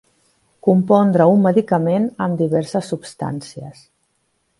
Compondre un medicament amb diverses substàncies.